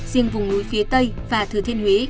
riêng vùng núi phía tây và thừa thiên huế